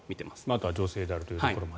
あとは女性であるところも。